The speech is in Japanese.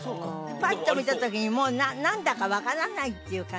パッと見た時に何だか分からないっていう感じ